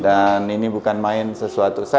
dan ini bukan main sesuatu